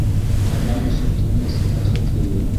Ҡабан өсөн тыныс, бәхетле йыл.